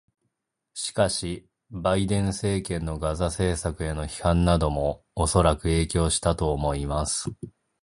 しかし、バイデン政権のガザ政策への批判などもおそらく影響したと思います。